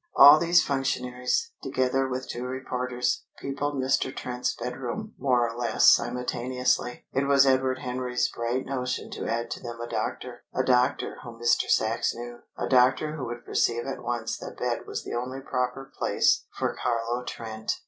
All these functionaries, together with two reporters, peopled Mr. Trent's bedroom more or less simultaneously. It was Edward Henry's bright notion to add to them a doctor a doctor whom Mr. Sachs knew, a doctor who would perceive at once that bed was the only proper place for Carlo Trent.